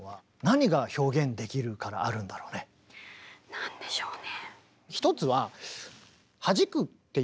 何でしょうね。